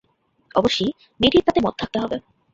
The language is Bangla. অবশ্যি মেয়েটির তাতে মত থাকতে হবে।